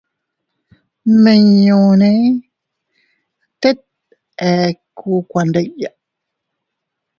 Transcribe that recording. Nmiñune teet ekku kuandiya.